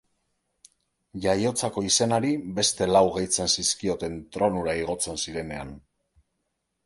Jaiotzako izenari beste lau gehitzen zizkioten tronura igotzen zirenean.